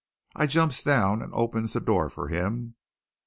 I jumps down and opens the door for him.